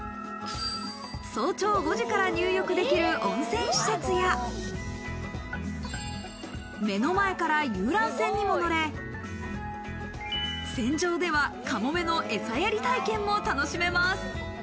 早朝５時から入浴できる温泉施設や目の前から遊覧船にも乗れ、船上ではカモメのえさやり体験も楽しめます。